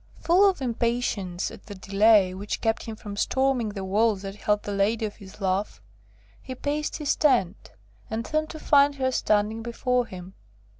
Full of impatience at the delay which kept him from storming the walls that held the lady of his love, he paced his tent, and turned to find her standing before him.